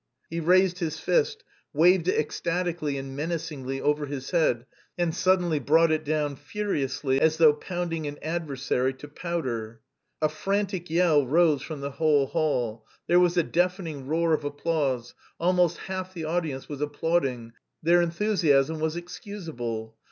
He raised his fist, waved it ecstatically and menacingly over his head and suddenly brought it down furiously, as though pounding an adversary to powder. A frantic yell rose from the whole hall, there was a deafening roar of applause; almost half the audience was applauding: their enthusiasm was excusable.